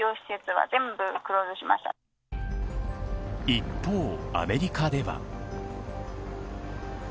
一方、アメリカでは。